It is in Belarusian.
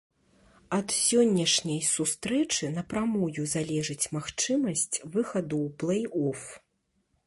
Ад сённяшняй сустрэчы напрамую залежыць магчымасць выхаду ў плэй-оф.